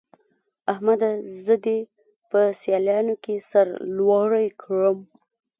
احمده! زه دې په سيالانو کې سر لوړی کړم.